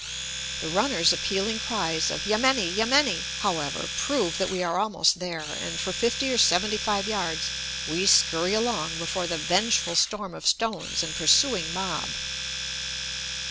The runners' appealing cries of "Yameni! yameni!" however, prove that we are almost there, and for fifty or seventy five yards we scurry along before the vengeful storm of stones and pursuing mob.